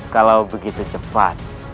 kalau begitu cepat